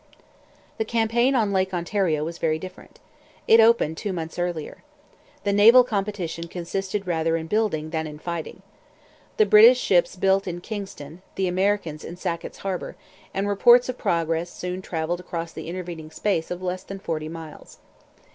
The campaign on Lake Ontario was very different. It opened two months earlier. The naval competition consisted rather in building than in fighting. The British built ships in Kingston, the Americans in Sackett's Harbour; and reports of progress soon travelled across the intervening space of less than forty miles.